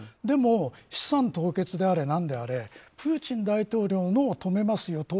でも、資産凍結であれ何であれプーチン大統領のを止めますよ